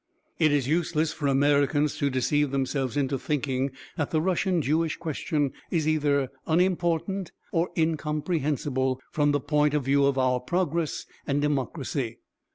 It is useless for Americans to deceive themselves into thinking that the Russian Jewish question is either unimportant or incomprehensible from the point of view of our progress and democracy.